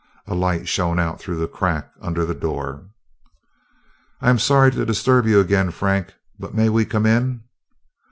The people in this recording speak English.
A light shone out through the crack under the door. "I am sorry to disturb you again, Frank, but may we come in?"